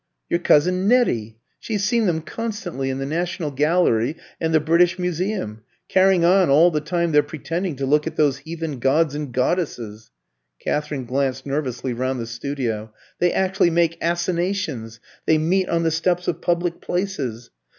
"Your cousin Nettie. She's seen them constantly in the National Gallery and the British Museum, carrying on all the time they're pretending to look at those heathen gods and goddesses" Katherine glanced nervously round the studio. "They actually make assignations they meet on the steps of public places.